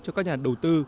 cho các nhà đầu tư